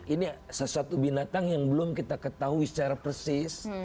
ini sesuatu binatang yang belum kita ketahui secara persis